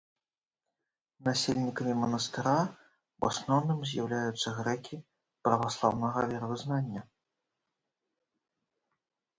Насельнікамі манастыра ў асноўным з'яўляюцца грэкі праваслаўнага веравызнання.